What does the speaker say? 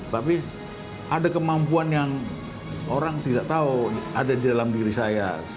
tapi ada kemampuan yang orang tidak tahu ada di dalam diri saya